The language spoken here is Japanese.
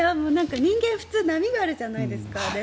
人間、普通波があるじゃないですか。